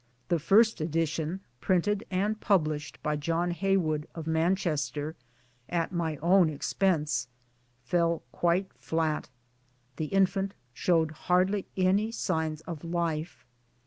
The first edition, printed and published by John Heywood of Manchester, at my own expense, fell quite flat. The infant showed hardly any signs of life.